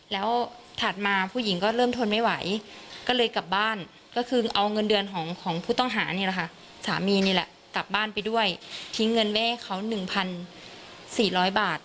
แล้วถัดมาผู้หญิงก็เริ่มทนไม่ไหวก็เลยกลับบ้านก็คือเอาเงินเดือนของผู้ต้องหานี่แหละค่ะสามีนี่แหละกลับบ้านไปด้วยทิ้งเงินแม่เขา๑๔๐๐บาท